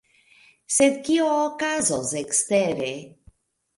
Sed kio okazos ekstere?